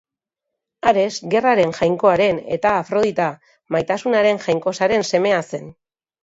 Ares gerraren jainkoaren eta Afrodita maitasunaren jainkosaren semea zen.